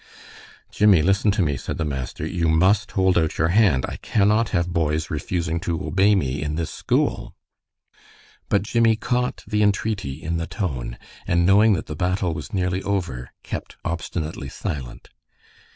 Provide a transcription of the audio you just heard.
"Jimmie, listen to me," said the master. "You must hold out your hand. I cannot have boys refusing to obey me in this school." But Jimmie caught the entreaty in the tone, and knowing that the battle was nearly over, kept obstinately silent.